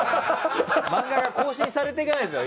漫画が更新されていかないんですよ。